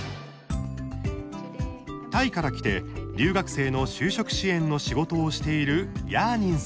タイから来て留学生の就職支援の仕事をしているヤーニンさん。